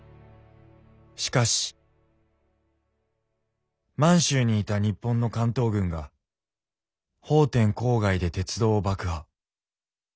しかし満州にいた日本の関東軍が奉天郊外で鉄道を爆破。